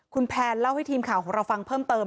คุณแพนเล่าให้ทีมข่าวของเราฟังเพิ่มเติม